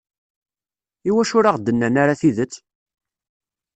Iwacu ur aɣ-d-nnan ara tidet?